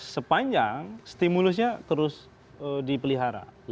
sepanjang stimulusnya terus dipelihara